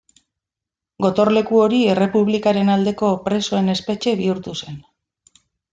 Gotorleku hori Errepublikaren aldeko presoen espetxe bihurtu zen.